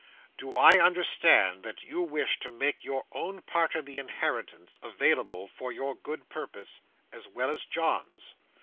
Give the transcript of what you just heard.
Do I understand you that you wish to make your own part in the inheritance available for your good purpose, as well as John's?"